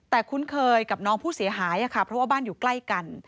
แต่คุ้นเคยกับน้องผู้เสียหายค่ะเพราะว่าบ้านอยู่ใกล้กัน